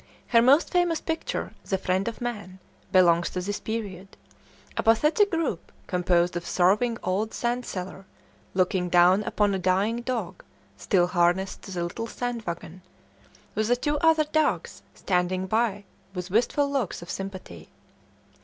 Her most famous picture, "The Friend of Man," belongs to this period a pathetic group composed of a sorrowing old sand seller looking down upon a dying dog still harnessed to the little sand wagon, with the two other dogs standing by with wistful looks of sympathy.